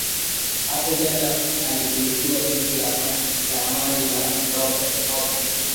hapo jana alitunukiwa tuzo la amani la nobel